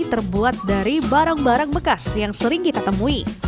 terbuat dari barang barang bekas yang sering kita temui